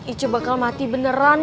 iche bakal mati beneran